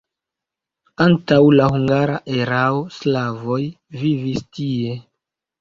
Antaŭ la hungara erao slavoj vivis tie.